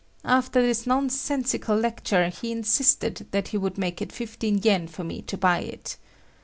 After this nonsensical lecture, he insisted that he would make it fifteen yen for me to buy it.